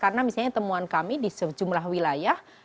karena misalnya temuan kami di sejumlah wilayah